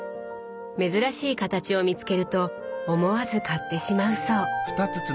珍しい形を見つけると思わず買ってしまうそう。